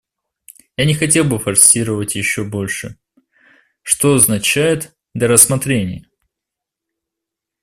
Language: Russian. Я не хотел бы форсировать еще больше: что означает "для рассмотрения"?